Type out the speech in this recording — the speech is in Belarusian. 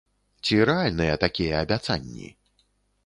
Ці рэальныя такія абяцанні?